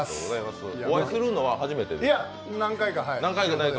お会いするのは初めてですか？